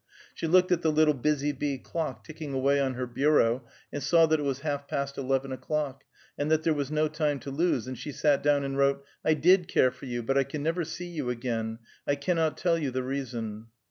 She looked at the little busy bee clock ticking away on her bureau and saw that it was half past eleven o'clock, and that there was no time to lose, and she sat down and wrote: "I did care for you. But I can never see you again. I cannot tell you the reason."